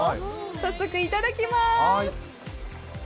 早速、いただきます。